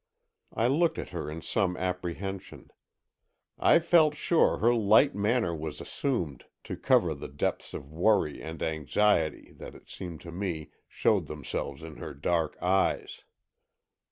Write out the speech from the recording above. I looked at her in some apprehension. I felt sure her light manner was assumed, to cover the depths of worry and anxiety that, it seemed to me, showed themselves in her dark eyes.